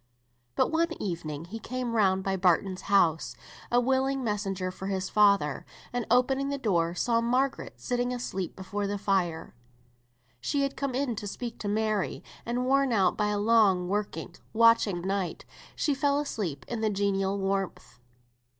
But one evening he came round by Barton's house, a willing messenger for his father, and opening the door saw Margaret sitting asleep before the fire. She had come in to speak to Mary; and worn out by a long working, watching night, she fell asleep in the genial warmth.